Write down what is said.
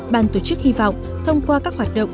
bàn tổ chức hy vọng thông qua các hoạt động